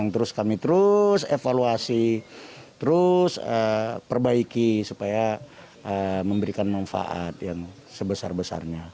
terus kami terus evaluasi terus perbaiki supaya memberikan manfaat yang sebesar besarnya